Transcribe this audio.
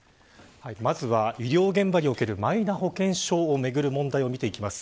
まずは医療現場におけるマイナ保険証をめぐる問題を見ていきます。